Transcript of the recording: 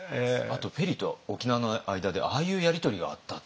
ペリーと沖縄の間でああいうやり取りがあったっていう。